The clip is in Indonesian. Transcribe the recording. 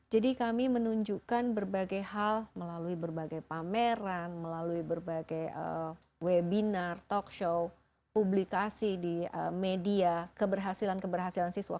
jadi kami menunjukkan berbagai hal melalui berbagai pameran melalui berbagai webinar talkshow publikasi di media keberhasilan keberhasilan siswa